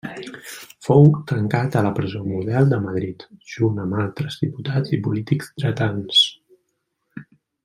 Fou tancat a la presó Model de Madrid, junt amb altres diputats i polítics dretans.